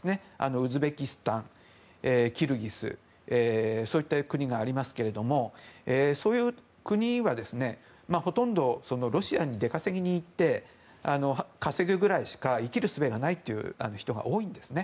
ウズベキスタン、キルギスそういった国がありますけどもそういう国はほとんどロシアに出稼ぎに行って稼ぐぐらいしか生きるすべがないという人が多いんですね。